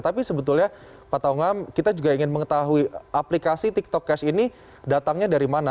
tapi sebetulnya pak taungam kita juga ingin mengetahui aplikasi tiktok cash ini datangnya dari mana